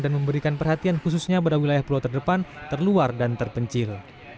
dan memberikan perhatian khususnya pada wilayah pulau terdepan terluar dan terpencil